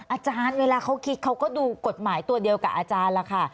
อาจารย์เวลาเขาคิดเขาก็ดูกฎหมายตัวเดียวกับอาจารย์ล่ะค่ะ